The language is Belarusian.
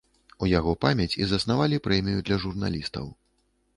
У яго памяць і заснавалі прэмію для журналістаў.